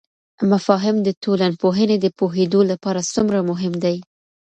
مفاهیم د ټولنپوهنې د پوهیدو لپاره څومره مهم دي؟